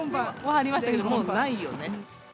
ありましたけど、もうないよね。